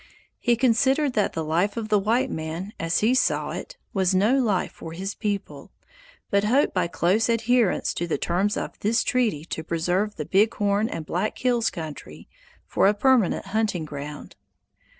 He considered that the life of the white man as he saw it was no life for his people, but hoped by close adherence to the terms of this treaty to preserve the Big Horn and Black Hills country for a permanent hunting ground.